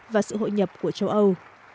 và sự hội nhập của châu âu